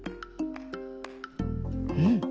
うん！